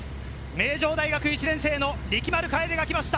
名城大学１年生の力丸楓が来ました。